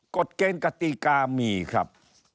กฎเจนกฎิกามีครับ